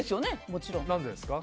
もちろん。何でですか？